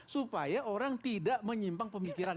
supaya orang tidak menyimpang pemikiran